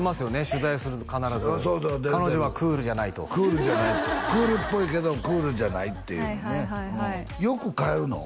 取材すると必ず彼女はクールじゃないとクールじゃないってクールっぽいけどクールじゃないっていうねよく帰るの？